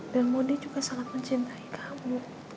dan bondi juga sangat mencintai kamu